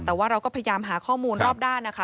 แต่ว่าเราก็พยายามหาข้อมูลรอบด้านนะคะ